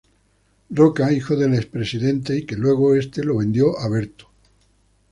Roca, hijo del expresidente y que luego, este lo vendió a Berto.